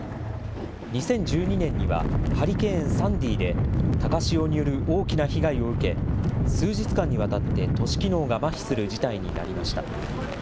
２０１２年にはハリケーン・サンディで高潮による大きな被害を受け、数日間にわたって都市機能がまひする事態になりました。